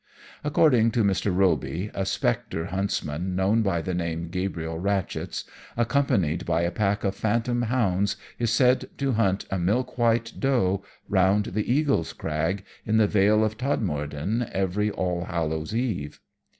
According to Mr. Roby, a spectre huntsman known by the name Gabriel Ratchets, accompanied by a pack of phantom hounds, is said to hunt a milk white doe round the Eagle's Crag in the Vale of Todmorden every All Hallows Eve.